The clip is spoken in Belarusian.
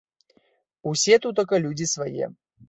Усе тутака людзі свае.